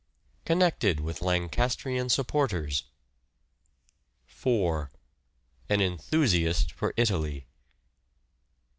Connected with Lancastrian supporters. 4. An enthusiast for Italy.